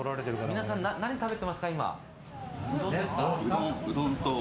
皆さん、何食べてますか？